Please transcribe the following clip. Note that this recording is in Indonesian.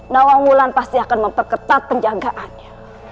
nawamulan pasti akan memperketat penjagaannya